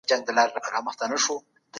اقتصادي بحرانونو سياسي نظامونه وننګول.